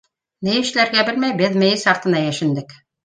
Ни эшләргә белмәй, беҙ мейес артына йәшендек.